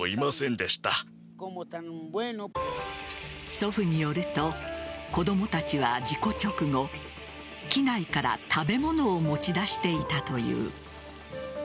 祖父によると子供たちは事故直後機内から食べ物を持ち出していたという。